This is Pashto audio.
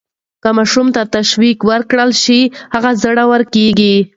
که ماشوم ته تشویق ورکړل شي، هغه زړور کیږي.